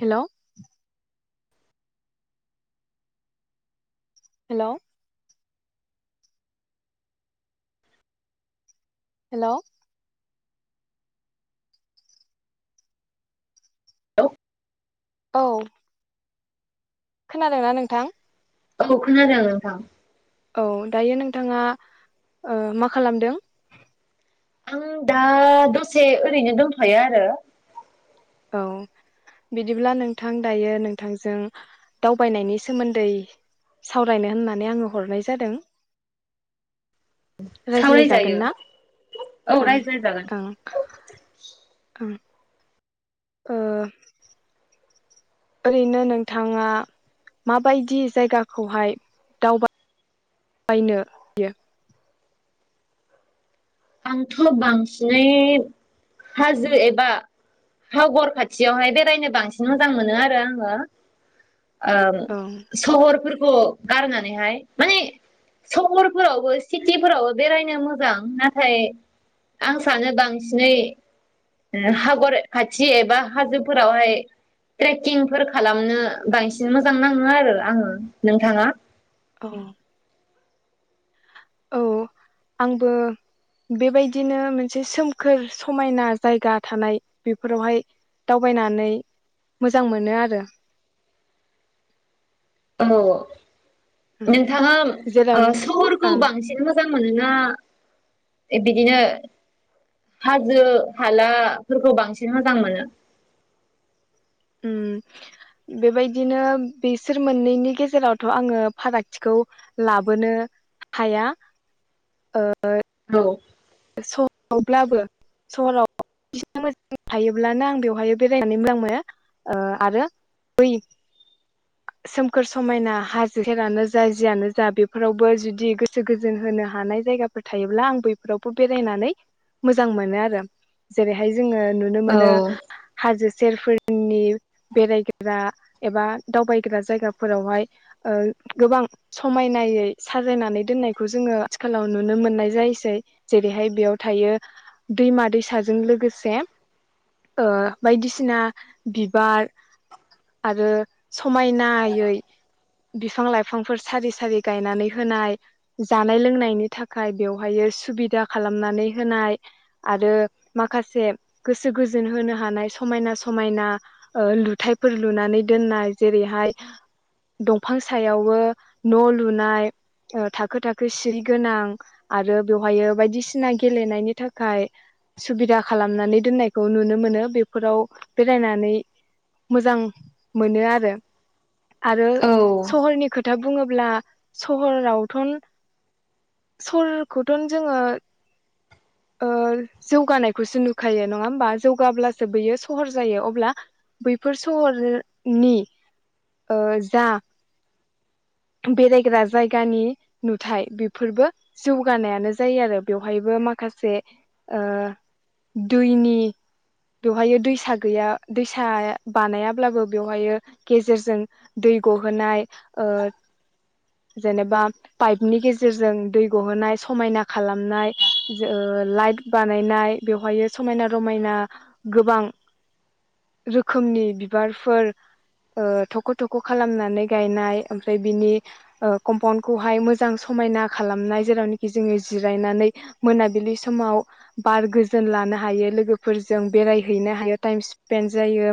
हेल'। Hello. Hello. लौ। औ। खोनादोंना नोंथां? औ खोनादों नोंथां। औ दायो नोंथाङा ओ मा खालामदों? आङो दा दसे ओरैनो दंथ'यो आरो औ बिदिब्ला नोंथां दायो नोंथांजों दावबायनायनि सोमोन्दै सावरायनो होननानै आङो हरनाय जादों। सावरायजायो रायज्लायजागोन ना औ ओं रायज्लायजागोन ओं ओं। ओ ओरैनो नोंथाङा माबायदि जायगाखौहाय दावबा बायनो हायो? आंथ' बांसिनै हाजो एबा सागर खाथियावहाय बेरायनो बांसिन मोजां मोनो आरो आङो। ओ औ सगर फोर खौ गारनानैहाय माने सहरफोरावबो सिटिफोरावबो बेरायनो मोजां ना थाय आं सानो बांसिनै हागर खाथि एबा हाजोफोरावहाय ट्रेकिंफोर खालामनो बांसिन मोजां नाङो आरो आङो नोंथाङा? औ औ आंबो बेबायदिनो मोनसे सोमखोर समायना जायगा थानाय बेफोरावहाय दावबायनानै मोजां मोनो आरो। औ। उम नोंथाङा ओ जेराव सहरखौ ओं बांसिन मोजां मोनोना बिदिनो हाजो हालाफोरखौ बांसिन मोजां मोनो? उम बेबायदिनो बिसोर मोननैनि गेजेरावथ' आङो फारागथिखौ लाबोनो हाया ओ औ। सहरावब्लाबो सहराव मोजां थायोब्लानो आं बेवहाय बेरायनानै मोजां मोनो ओ आरो बै सोमखोर समायना हाजो सेरानो जा जियानो जा बेफोरावबो जुदि गोसो गोजोन होनो हानाय जायगाफोर थायोब्ला आं बैफोराव बेरायनानै मोजां मोनो आरो जेरैहाय जोङो नुनो औ मोनो हाजो सेरफोरनि बेरायग्रा एबा दावबायग्रा जायगाफोरावहाय ओ गोबां समायनायै साजायनानै दोननायखौ जोङो आथिखालाव नुनो मोननाय जायोसै। जेरैहाय बेयाव थायो दैमा दैसाजों लोगोसे ओ बायदिसिना बिबार आरो समायनायै बिफां लाइफांफोर सारि सारि गायनानै होनाय जानाय लोंनायनि थाखाय बेवहायो सुबि दा खालामनानै होनाय आरो माखासे गोसो गोजोन होनो हानाय समायना समायना ओ लुथाइफोर लुनानै दोननाय जेरैहाय दंफां सायावबो न' लुनाय ओ थाखो थाखो सिरि गोनां आरो बेवहायो बायदिसिना गेलेनायनि थाखाय सुबिदा खालामनानै दोननायखौ नुनो मोनो। बेफोराव बेरायनानै मोजां मोनो आरो आरो औ सहरनि खोथा बुङोब्ला सहरावथन सहरखौथन जोङो ओ जौगानायखौसो नुखायो नङा होमबा जौगाब्लासो बैयो सहर जायो अब्ला बैफोर सहर नि ओ जा बेरायग्रा जायगानि नुथाय बेफोरबो जौगानायानो जायो आरो बेवहायबो माखासे ओ दैनि बेवहाय दैसा गैया दैसा बानायाब्लाबो बेवहायो गेजेरजों दै गहोनाय ओ जेनेबा पाइपनि गेजेरजों दै गहोनाय समायना खालाम नाय ओ लाइत बानायनाय बेवहायो समायना रमायना गोबां रोखोमनि बिबारफोर ओ थख' थख' खालामनानै गायनाय ओमफ्राय बिनि ओ कम्पाउन्दखौहाय मोजां समायना खालामनाय जेरावनोखि जोंनि जिरायनानै मोनाबिलि समाव बार गोजोन लानो हायो लोगोफोरजों बेरायहैनो हायो टाइम स्पेन जायो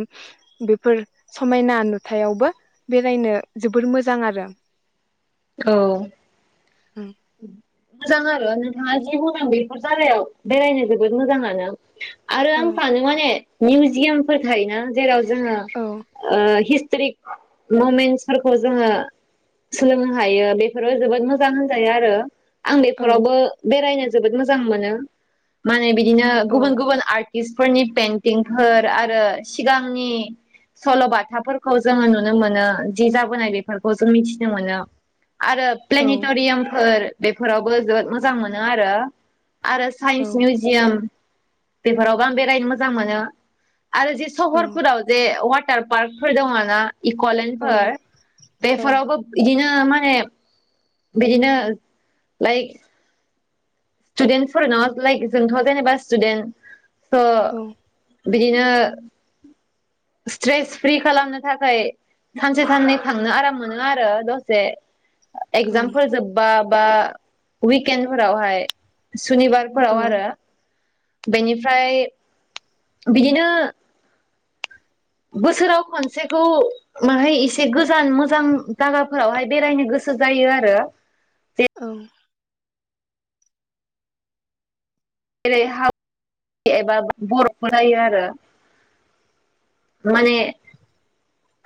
बेफोर समायना नुथायावबो बेरायनो जोबोर मोजां आरो औ मोजां आरो [unintelligible] जि मोजां बेफोर जागायाव बेरायनो जोबोद मोजाङानो। आरो औ आं सानो माने मिउजियामफोर थायो ना जेराव जोङो औ ओ हिस स्ट्रि ममेन्टसफोरखौ जोङो सोलोंनो हायो बेफोरो जोबोद मोजां होनजायो आरो आं औ बेफोरावबो बेरायनो जोबोद मोजां मोनो माने बि दिनो औ गुबुन गुबुन आर्ट र्टिस्टफोरनि पेइन्टिंफोर आरो सिगांनि सल'बाथाफोरखौ जोङो नुनो मोनो जि जाबोनाय बेफोरखौ जों मिथिनो मोनो। आरो औ प्लेनिटरियामफोर बेफोरावबो जोबोद मोजां मोनो आरो आरो साइन्स औ मिउजियाम बेफोरावबो आं बेरायनो मोजां मोनो। आरो जे औ सहरफोराव जे [unintelligible] [unintelligible] पार्कफोर दङ' ना औ इक'लेनफोर औ बेफोरावबो इदिनो [unintelligible] [unintelligible] बिदिनो [unintelligible] स्टुदेन्टफोर न लाइक जोंथ' जेनेबा स्टुदेन्ट हो औ बिदिनो स्ट्रेस फ्रि खालामनो थाखाय सानसे साननै थांनो आराम मोनो आरो दसे औ एक्जामफोर जोब्बा बा उइकेन फोरावहाय सुनिबारफोराव औ आरो बेनिफ्राय बिदिनो बोसोराव खनसेखौ माहाय एसे गोजान मोजां जागाफोरावहाय बेरायनो गोसो जायो आरो औ जेरै हाब एबा बर'खौ रायो आरो माने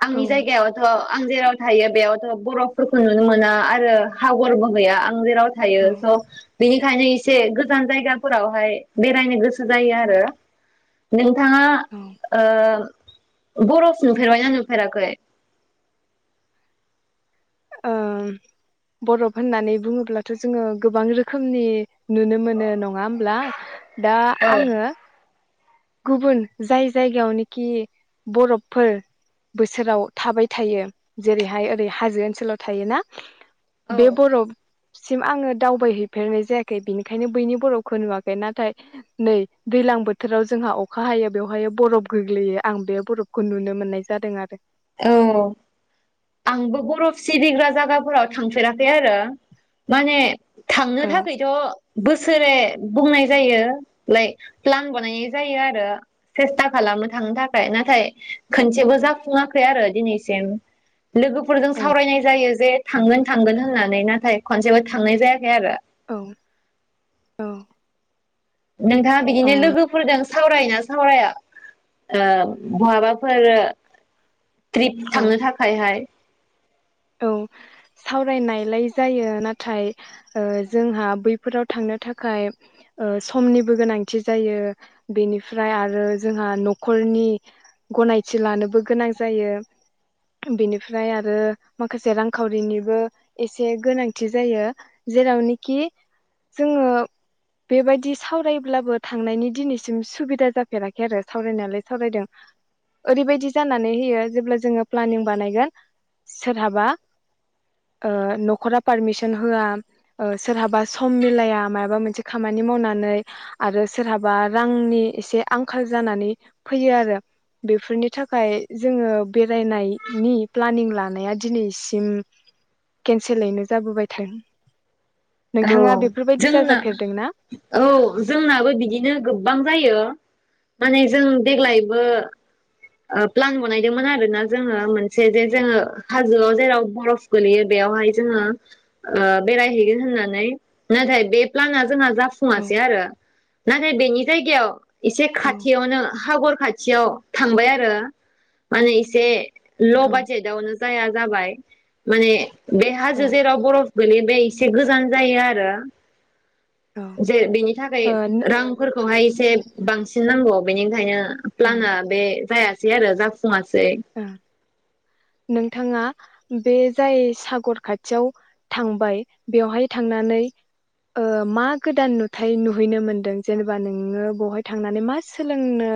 आंनि औ जायगायावथ' आं जेराव थायो बेयावथ' बर'फोरखौ नुनो मोना आरो हागरबो गैया आं जेराव थायो औ स बेनिखायनो से गोजान जायगाफोरावहाय बेरायनो गोसो जायो आरो नों थाङा ओम ओ बरफ नुफेरबायना नुफेराखै? ओ बरफ होननानै बुङोब्लाथ जोङो गोबां रोखोमनि नुनो मोनो न ङा होब्ला दा आङो गुबुन जाय जायगायावनोखि बरफफोर बोसोराव थाबाय थायो जेरैहाय ओरै हाजो ओनसोलाव थायोना औ बे बरफ सिम आङो दावबायहैफेरनाय जायाखै बिनिखायनो बैनि बरफखौ नुवाखै नाथाय नै दैलां बोथोराव जोंहा अखा हायो बेवहाय बरफ गोग्लैयो आं बे बरफखौ नुनो मोननाय जादों आरो औ आंबो बरफ सिरिग्रा जागाफोराव थांफेराखै आरो माने थांनो औ थाखायथ बोसोरे बुंनाय जायो लाइक प्लान बानायनाय जायो आरो सेस्था खालामो थांनो थाखाय नाथाय खोनसेबो जाफुङा खै आरो दिनैसिम लोगोफोरजों सावरायनाय जायो जे थांगोन थांगोन होननानै ना थाय खनसेबो थांनाय जायाखै आरो। औ नोंथाङा बिदिनो ओम लोगोफोरदों सावरायोना सावराया ओ बहाबाफोर ट्रिप औ थांनो थाखायहाय? औ सावरायनायलाय जायो नाथाय ओ जोंहा बैफोराव थांनो थाखाय ओ समनिबो गोनांथि जायो बेनिफ्राय आरो जोंहा न'खरनि गनायथि लानोबो गोनां जायो बेनिफ्राय आरो माखासे रांखावरिनिबो एसे गोनांथि जायो जेरावनोखि जोङो बेबायदि सावरायोब्लाबो थांनायनि दिनैसिम सुबिदा जाफेराखै आरो सावरायनायालाय सावरायदों। ओरैबायदि जानानै होयो जेब्ला जोङो प्लानिं बानायगोन सोरहाबा ओ नखरा पारमिसन होआ ओ सोरहाबा सम मिलाया मायबा मोनसे खामानि मावनानै आरो सोरहाबा रांनि एसे आंखाल‌ जानानै फैयो‌ आरो। बेफोरनि थाखाय जोङो बेरायनायनि प्लानिं ला नाया दिनैसिम केनसेलैनो जाबोबाय थायो। औ जोंना ना औ जोंनाबो बिदिनो गोबां जायो। माने जों देग्लायबो ओ प्लान बनायदोंमोन आरो ना जोङो मोनसे जे जोङो हाजोआव जेराव बरफ गोलैयो बेयावहाय जोङो ओ बेरायहैगोन होननानै। नाथाय बे प्लाना जोंहा औ जाफुंआसै आरो। नाथाय बेनि जायगायाव एसे औ खाथियावनो हागर खा थियाव थांबाय आ रो। माने इसे ल' औ बादजेदावनो जाया जाबाय माने बे औ हाजो जेराव बरफ गोलैयो बे एसे गोजान जायो आरो। जे बेनि थाखाय रांफोरखौहाय एसे बांसि नांगौ बेनिखायनो ओ प्लाना बे जाया सै आरो जा फुङासै। ओ नोंथाङा बे जाय सागर खाथियाव थांबाय बेवहाय थांनानै ओ मा गोदान नुथाय नुहैनो मोनदों? जेनेबा नोङो बेवहाय थांनानै मा सोलोंनो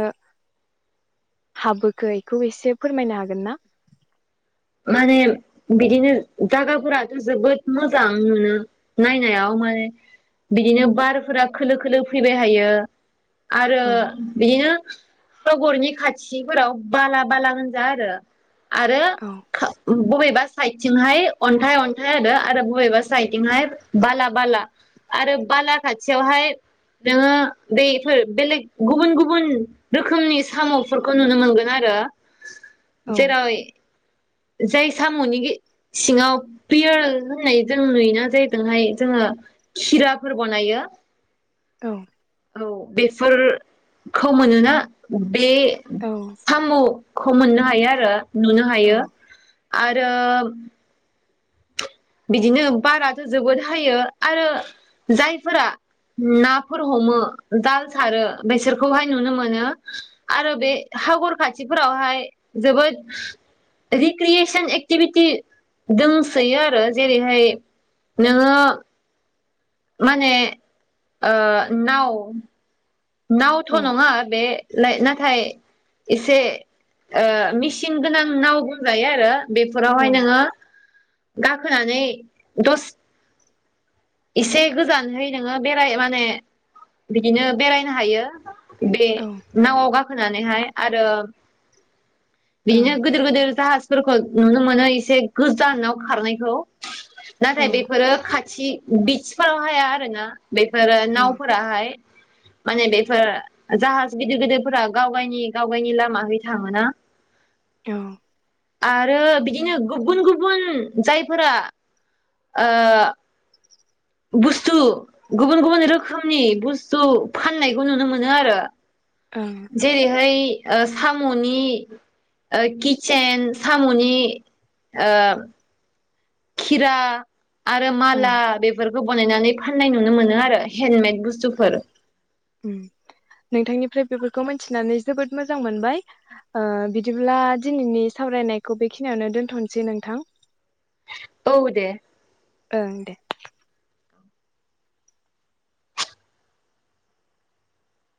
हाबोखो एखौ एसे फोरमायनो हागोन ना? माने बिदिनो जायगाफोराथ' जोबोद मोजां मोनो नायनायाव माने बिदिनो बारफोरा खोलो खोलो फैबाय हायो। आरो औ बेदिनो हागरनि खाथिफोराव बाला बाला गोजा आरो। आरो औ खा बबेबा साइदथिंहाय अन्थाइ अन्थाइ आरो। आरो बबेबा साइडथिंहाय बाला बाला। आरो बाला खाथियावहाय नोङो बैफोर बेलेग गुबुन गुबुन रोखोमनि साम'फोरखौ नुनो मोनगोन आरो। औ जेरै जाय साम'नि गे सिङाव पियार होननाय जों नुयोना जायदोंहाय जोङो खिराफोर बनायो। औ। औ बेफोरखौ मोनोना बे औ सामु खौ मोननो हायो आरो नु नो औ हायो। आरो बिदिनो बाराथ' जोबोद हायो आरो जायफोरा नाफोर हमो जाल सारो बेसोरखौहाय नुनो मोनो आरो बे हागर खाथिफोरावहाय जोबोद रिक्रियेसन एक्टिभिटि दंसोयो आरो। जेरैहाय नोङो माने ओ नाव औ नावथ' ओं नङा बे लाइ नाथाय एसे ओ मेचिन गोनां नाव बुंजायो आरो। बेफोरावहाय नोङो गाखोनानै दस एसे गोजानहै नोङो बेराय माने बिदिनो बेरायनो हायो। बेे नाव आव गा होनानैहाय आरो। औ बिनो गोदोर गोदोर जा फोरखौ नुनो मोनो एसे गोजानाव खारनायखौ। नाथाय ओं बेफोरो खा [unintelligible] बिसफोराव हाया आरो ना। बेफोरो नावफोराहाय। माने बेफोर जाहाज गिदिर गिदिरफोरा गावगायनि गावगायनि लामा हैथा मोना। औ। आरो बिदिनो गुबुन गुबुन जायफोरा ओ बुस्थु गुबुन गुबुन रोखोमनि बुस्थु फाननायखौ नुनो मोनो आरो। जेरैहाय ओ साम'नि ओ किटचेन साम'नि ओ खिरा। आरो ओं माला बेफोरखौ बानायनानै। फाननाय नुनो मोनो आरो हेन्दमेद। बुस्थुफोर [unintelligible] नोंथांनि फ्राय बेफोरखौ मोनथिनानै जोबोद मोजां मोनबाय ओ बिदिब्ला दिनैनि सावरायनायखौ बेखिनियावनो दोनथ'नोसै नोंथां। औ दे। ओं दे।